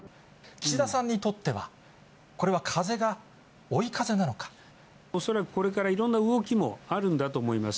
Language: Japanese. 岸田さんにとっては、これは恐らく、これからいろんな動きもあるんだと思います。